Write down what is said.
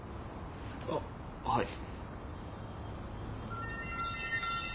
あっはい。